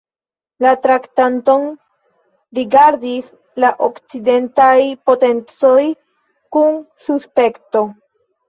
La traktaton rigardis la okcidentaj potencoj kun suspekto.